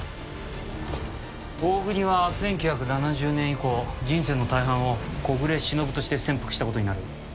大國は１９７０年以降人生の大半を小暮しのぶとして潜伏した事になる。